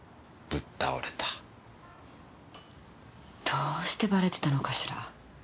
どうしてバレてたのかしら？